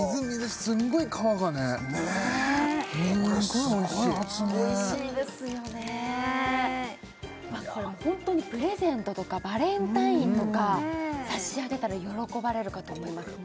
すごいおいしいこれすごい発明おいしいですよねこれホントにプレゼントとかバレンタインとか差し上げたら喜ばれるかと思いますね